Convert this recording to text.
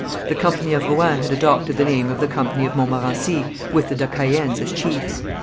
The Company of Rouen had adopted the name of the Company of Montmorency with the de Caëns as chiefs.